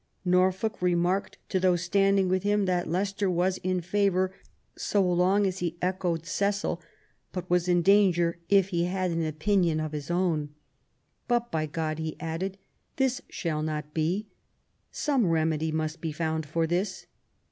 Norfolk remarked to those standing with him that Leicester was in favour so long as he echoed Cecil, but was in danger if he had an opinion of his own; " But, by God," he added, " this shall not be ; ELIZABETH AND MARY STUART. 115 some remedy must be found for this."